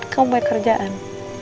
kamu buat kerjaan